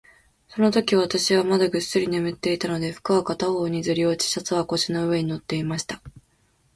そのとき、私はまだぐっすり眠っていたので、服は片方にずり落ち、シャツは腰の上に載っていました。